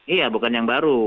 iya bukan yang baru